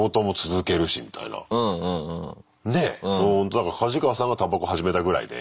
だからカジカワさんがタバコ始めたぐらいで。